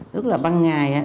tức là ban ngày á